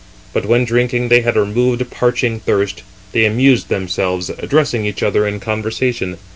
But when drinking they had removed parching thirst, they amused themselves, addressing each other in conversation.